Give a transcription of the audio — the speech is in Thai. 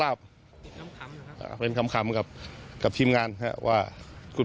และวงว่าถ้าได้ออกมานั้นก็กลับไปแล้วครับ